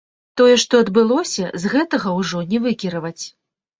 Тое, што адбылося, з гэтага ўжо не выкіраваць.